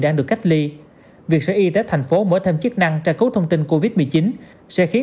đang được cách ly việc sở y tế thành phố mở thêm chức năng tra cứu thông tin covid một mươi chín sẽ khiến